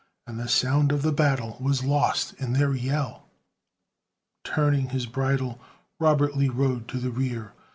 And the sound of the battle was lost in their yell. Turning his bridle, Robert Lee Rode to the rear.